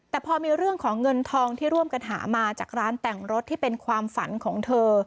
แต่พอมีเรื่องของเงินทองที่ร่วมกันหามาจากร้านแต่งรถที่เป็นความฝันของเธอ